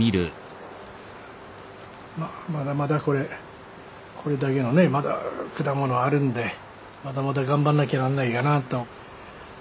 まあまだまだこれこれだけのねまだ果物あるんでまだまだ頑張んなきゃなんないかなと。